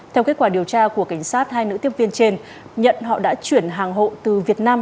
theo kết quả điều tra của cảnh sát hai nữ tiếp viên trên nhận họ đã chuyển hàng hộ từ việt nam